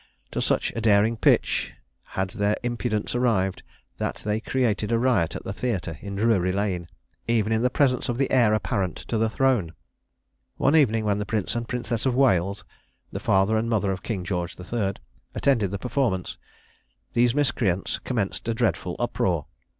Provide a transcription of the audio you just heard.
To such a daring pitch had their impudence arrived, that they created a riot at the theatre in Drury Lane, even in the presence of the heir apparent to the throne. One evening when the Prince and Princess of Wales, the father and mother of King George III., attended the performance, these miscreants commenced a dreadful uproar.